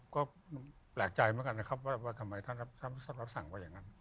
ก็แปลกใจเหมือนกันนะครับว่าทำไมท่านรับสั่งว่าอย่างนั้น